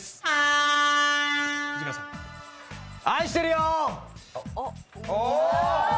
愛してるよー！